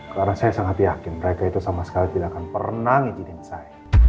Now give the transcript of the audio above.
karena saya sangat yakin mereka itu sama sekali tidak akan pernah ngejidik saya